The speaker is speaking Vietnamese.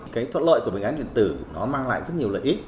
cái thuận lợi của bệnh án điện tử nó mang lại rất nhiều lợi ích